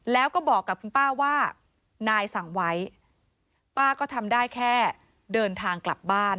แล้วก็บอกกับคุณป้าว่านายสั่งไว้ป้าก็ทำได้แค่เดินทางกลับบ้าน